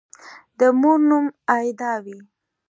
د مور نوم «آیدا» وي